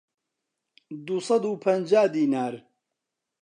دوو سەد و پەنجا دینار